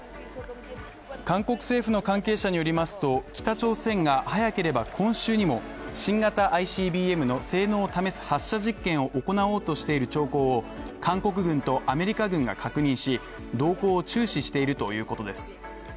韓国政府の関係者によりますと、北朝鮮が早ければ今週にも、新型ＩＣＢＭの性能を試す発射実験を行おうとしている兆候を韓国軍とアメリカ軍が確認し、動向を注視しているということです。